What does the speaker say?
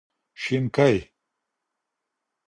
شينکۍ